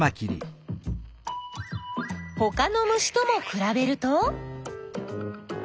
ほかの虫ともくらべると？